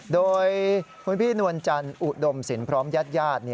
โดยคุณพี่นวลจันอุดมสินพร้อมยาด